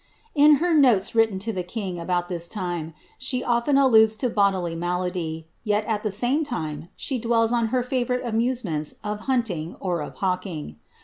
^ In her notes written to the king, about this time, she often alludes to bodily malady ; yet, at the same time, she dwells on her favourite amusements of hunting or of hawking.